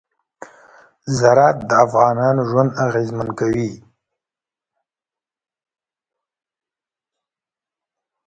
زراعت د افغانانو ژوند اغېزمن کوي.